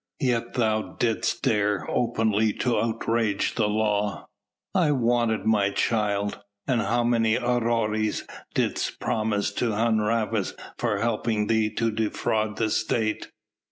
"Yet thou didst dare openly to outrage the law!" "I wanted my child." "And how many aurei didst promise to Hun Rhavas for helping thee to defraud the State?"